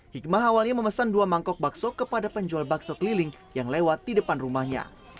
hikmah awalnya memesan dua mangkok bakso kepada penjual bakso keliling yang lewat di depan rumahnya